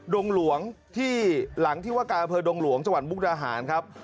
ดงหลวงที่หลังที่ว่าการอำเภอดงหลวงจังหวัดมุกดาหารครับ